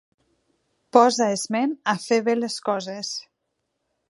Posa esment a fer bé les coses.